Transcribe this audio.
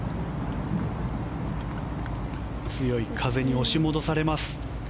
強い風に押し戻されます。